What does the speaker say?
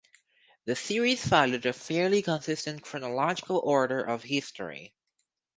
The series followed a fairly consistent chronological order of history.